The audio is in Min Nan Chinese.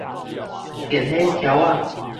電火柱仔